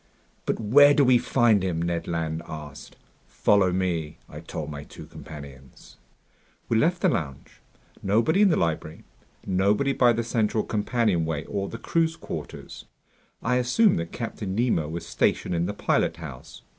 "But where do we find him?" Ned Land asked. "Follow me," I told my two companions. We left the lounge. Nobody in the library. Nobody by the central companionway or the crew's quarters. I assumed that Captain Nemo was stationed in the pilothouse.